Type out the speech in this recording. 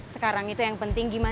sekarang itu yang penting gimana